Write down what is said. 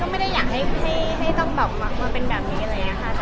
ก็ก็ไม่ได้อยากให้ให้ให้ต้องแบบมาเป็นแบบนี้อะไรอย่างเงี้ยค่ะ